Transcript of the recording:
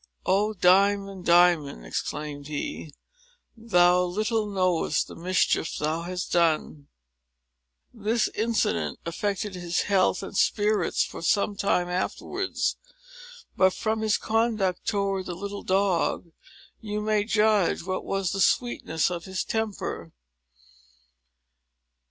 "Oh, Diamond, Diamond," exclaimed he, "thou little knowest the mischief thou hast done." This incident affected his health and spirits for some time afterwards; but, from his conduct towards the little dog, you may judge what was the sweetness of his temper.